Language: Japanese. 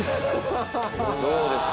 どうですか？